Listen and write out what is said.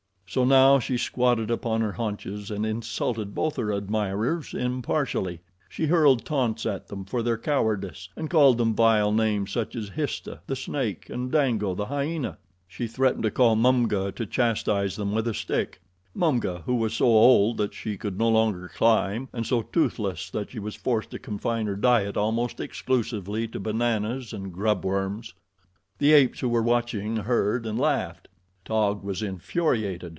So now she squatted upon her haunches and insulted both her admirers impartially. She hurled taunts at them for their cowardice, and called them vile names, such as Histah, the snake, and Dango, the hyena. She threatened to call Mumga to chastise them with a stick Mumga, who was so old that she could no longer climb and so toothless that she was forced to confine her diet almost exclusively to bananas and grub worms. The apes who were watching heard and laughed. Taug was infuriated.